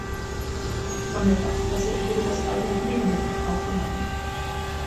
Von der Fachpresse wurde das Album weniger gut aufgenommen.